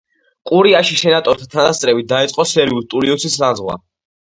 კურიაში სენატორთა თანდასწრებით დაიწყო სერვიუს ტულიუსის ლანძღვა.